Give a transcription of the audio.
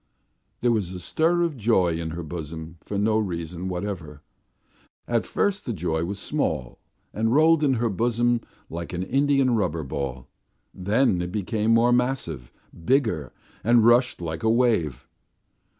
There was a stir of joy in her bosom for no reason whatever; at first the joy was small, and rolled in her bosom like an india rubber ball; then it became more massive, bigger, and rushed like a wave.